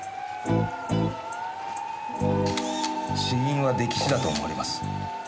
死因は溺死だと思われます。